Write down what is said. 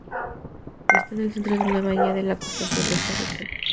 Está en el centro de una bahía de la costa sur de esta región.